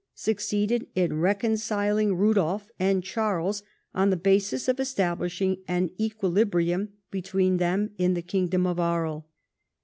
succeeded in reconciling Rudolf and Charles, on the basis of establishing an equilibrium between them in the kingdom of Aries.